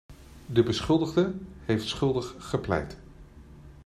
De beschuldigde heeft schuldig gepleit.